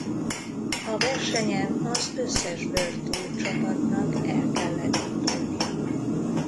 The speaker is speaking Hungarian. A versenyen az összes World Tour csapatnak el kellett indulnia.